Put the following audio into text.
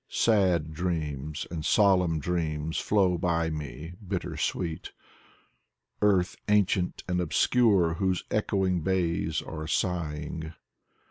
Sad dreams and solemn dreams flow by me, bitter sweet: Earth ancient and obscure, whose echoing bays are sigh ing.